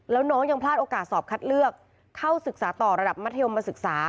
แล้วน้องยังพลาดโอกาสสอบคัดเลือกเข้าศึกษาต่อระดับมัธยมศึกษา